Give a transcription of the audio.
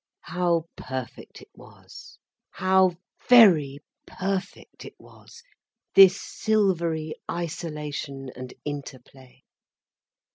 How perfect it was, how very perfect it was, this silvery isolation and interplay.